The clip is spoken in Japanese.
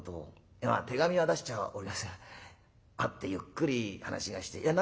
まあ手紙は出しちゃおりますが会ってゆっくり話がしてえ。